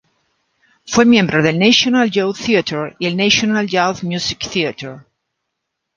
Fue miembro del National Youth Theatre y el National Youth Music Theatre.